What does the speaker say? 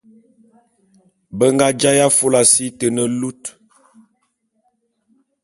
Be nga jaé afôla si te ne lut.